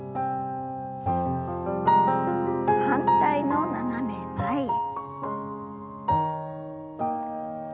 反対の斜め前へ。